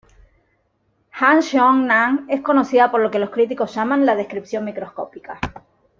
Han Seong-nan es conocida por lo que los críticos llaman la "descripción microscópica".